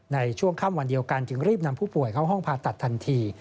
ในช่วงค่ำวันเดียวกันจึงรีบนำผู้ป่วยเข้าห้องผ่าตัดทันที